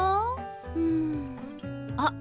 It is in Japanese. うん。あっ！